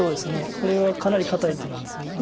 これはかなり堅い手なんですよね。